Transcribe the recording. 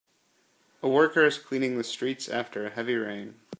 A worker is cleaning the streets after a heavy rain.